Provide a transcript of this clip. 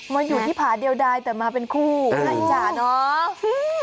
มาอยู่ที่ผาเดียวได้แต่มาเป็นคู่ให้จ่าเนอะ